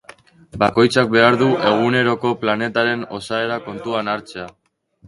Bakoitzak behar du eguneroko plateren osaera kontuan hartzea.